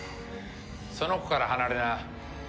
その子から離れな。